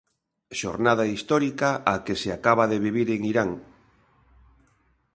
Xornada histórica a que se acaba de vivir en Irán.